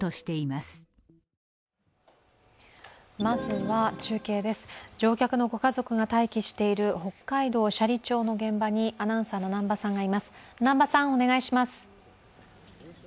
まずは中継です、乗客のご家族が待機している北海道斜里町の現場にアナウンサーの南波さんがいます。